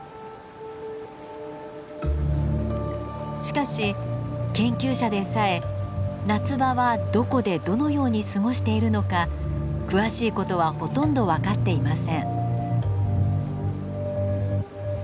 しかし研究者でさえ夏場はどこでどのように過ごしているのか詳しいことはほとんど分かっていません。